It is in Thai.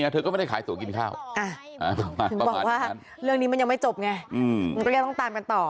ถึงบอกว่าเรื่องนี้มันยังไม่จบไงเรียกต้องตามกันต่อ